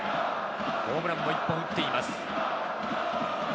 ホームランも１本打っています。